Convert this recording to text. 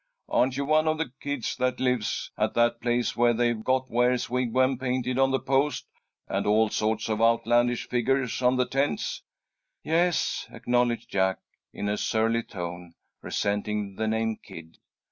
Aren't you one of the kids that lives at that place where they've got Ware's Wigwam painted on the post, and all sorts of outlandish figgers on the tents?" "Yes," acknowledged Jack, in a surly tone, resenting the name kid.